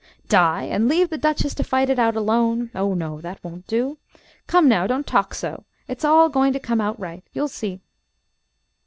"Die and leave the Duchess to fight it out all alone? Oh, no, that won't do. Come, now, don't talk so. It is all going to come out right. Now you'll see."